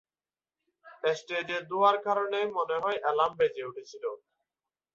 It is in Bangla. স্টেজের ধোয়ার কারণেই মনে হয় অ্যালার্ম বেজে উঠেছিল।